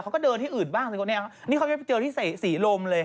เขาก็เดินที่อื่นบ้างสิคนนี้นี่เขาจะไปเจอที่ศรีลมเลย